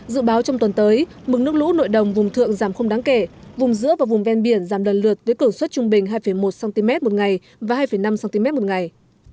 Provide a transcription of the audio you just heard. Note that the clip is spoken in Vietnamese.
dự báo trong tuần tới mực nước lũ nội đồng vùng thượng giảm không đáng kể vùng giữa và vùng ven biển giảm đơn lượt với cửa suất trung bình hai một cm một ngày và hai năm cm một ngày